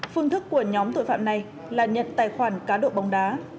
phương thức của nhóm tội phạm này là nhận tài khoản cá độ bóng đá